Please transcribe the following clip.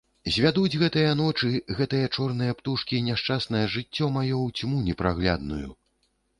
Звядуць гэтыя ночы, гэтыя чорныя птушкі няшчаснае жыццё маё ў цьму непраглядную!